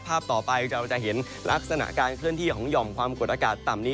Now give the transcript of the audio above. ภาพต่อไปเราจะเห็นลักษณะการเคลื่อนที่ของหย่อมความกดอากาศต่ำนี้